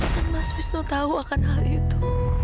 dan mas wisnu tahu akan hal itu